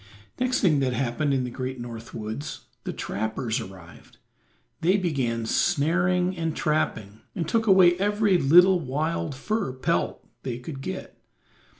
Next thing that happened in the great North woods, the trappers arrived; they began snaring and trapping, and took away every little wild fur pelt they could get.